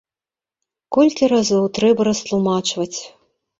Колькі разоў трэба растлумачваць!